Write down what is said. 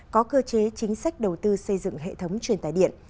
có cơ chế chính sách đầu tư xây dựng hệ thống truyền tài điện